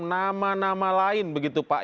nama nama lain begitu pak